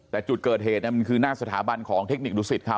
แต่จุดเกิดเหตุมันคือหน้าสถาบันของเทคนิคดุสิตเขา